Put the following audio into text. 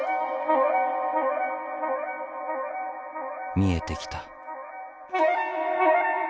見えてきた。